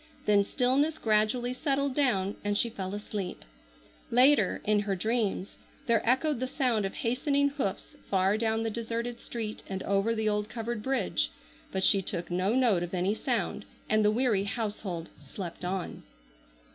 Then stillness gradually settled down and she fell asleep. Later, in her dreams, there echoed the sound of hastening hoofs far down the deserted street and over the old covered bridge, but she took no note of any sound, and the weary household slept on.